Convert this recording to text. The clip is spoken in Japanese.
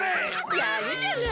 やるじゃない！